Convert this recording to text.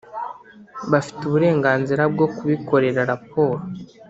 Bafite uburenganzira bwo kubikorera raporo